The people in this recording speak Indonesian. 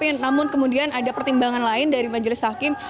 namun kemudian ada pertimbangan lain dari majelis hakim